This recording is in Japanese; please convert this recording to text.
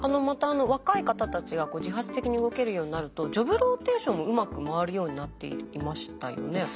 また若い方たちが自発的に動けるようになるとジョブローテーションもうまく回るようになっていましたよね。